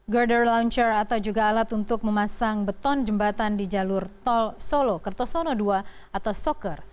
gerder launcher atau juga alat untuk memasang beton jembatan di jalur tol solo kertosono ii atau soccer